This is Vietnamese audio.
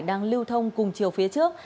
đang lưu thông cùng chiều phía trước